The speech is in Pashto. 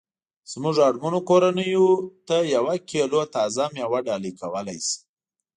زمونږ اړمنو کورنیوو ته یوه کیلو تازه میوه ډالۍ کولای شي